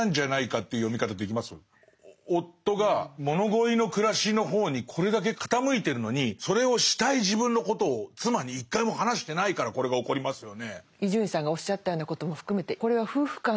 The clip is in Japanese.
夫が物乞いの暮らしの方にこれだけ傾いてるのにそれをしたい自分のことを妻に一回も話してないからこれが起こりますよね。